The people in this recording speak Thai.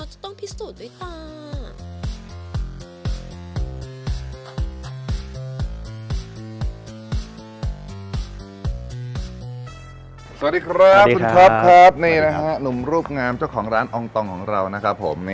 หนูนรูปงามจักรของร้านอองตองของเรานะครับผม